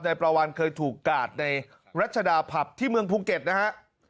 ประวันเคยถูกกาดในรัชดาผับที่เมืองภูเก็ตนะฮะ